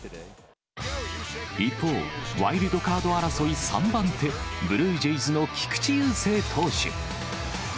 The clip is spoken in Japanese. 一方、ワイルドカード争い３番手、ブルージェイズの菊池雄星投手。